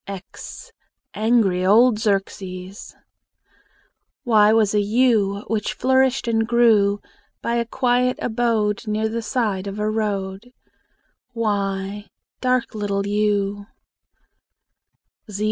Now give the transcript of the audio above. x Angry old Xerxes! Y was a yew, Which flourished and grew By a quiet abode Near the side of a road. y Dark little yew!